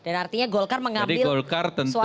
dan artinya golkar mengambil suara masyarakat itu pak